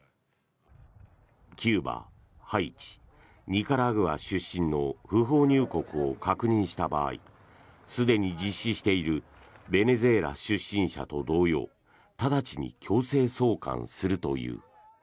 キューバ、ハイチ、ニカラグア出身の不法入国を確認した場合すでに実施しているベネズエラ出身者と同様直ちに強制送還するという。